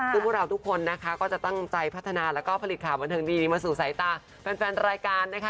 ซึ่งพวกเราทุกคนนะคะก็จะตั้งใจพัฒนาแล้วก็ผลิตข่าวบันเทิงดีมาสู่สายตาแฟนรายการนะคะ